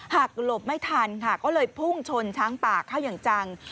หลบไม่ทันค่ะก็เลยพุ่งชนช้างป่าเข้าอย่างจัง